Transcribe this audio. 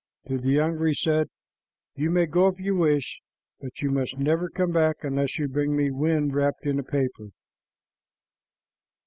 To the younger he said, "You may go if you wish, but you must never come back unless you bring me wind wrapped in paper."